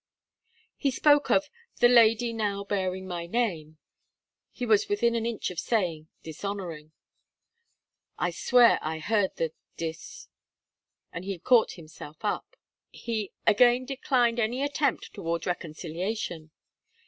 He spoke of "the lady now bearing my name." He was within an inch of saying "dishonouring." I swear I heard the "dis," and he caught himself up. He "again declined any attempt towards reconciliation."